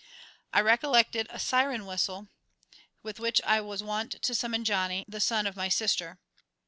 I recollected a siren whistle with which I was wont to summon Johnny, the son of my sister.